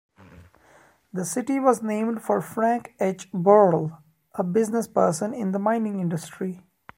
The city was named for Frank H. Buhl, a businessperson in the mining industry.